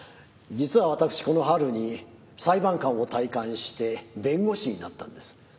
実は私この春に裁判官を退官して弁護士になったんです。